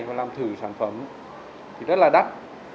và làm thử sản phẩm thì rất là đắt